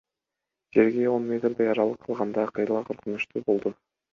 Жерге он метрдей аралык калганда кыйла коркунучтуу болду.